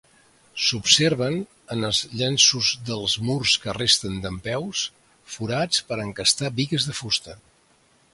S'observen, en els llenços dels murs que resten dempeus, forats per encastar bigues de fusta.